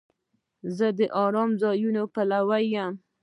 زه د آرامه ځایونو پلوی یم.